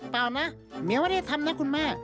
เปล่านะเมียไม่ได้ทำนะคุณแม่